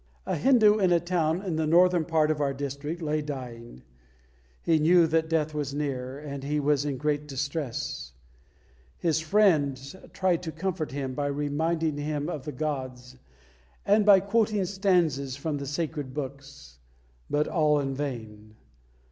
A Hindu in a town in the northern part of our district lay dying. He knew that death was near, and he was in great distress. His friends tried to comfort him by reminding him of the gods, and by quoting stanzas from the sacred books; but all in vain.